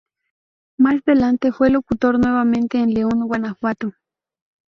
Más delante, fue locutor nuevamente, en León, Guanajuato.